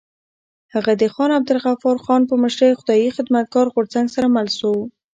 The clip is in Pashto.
هغه د خان عبدالغفار خان په مشرۍ خدایي خدمتګار غورځنګ سره مل شو.